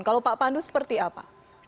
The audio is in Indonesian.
kalau pak pandu seperti apa